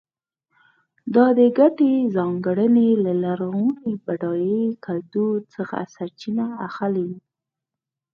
دا ګډې ځانګړنې له لرغوني بډای کلتور څخه سرچینه اخلي.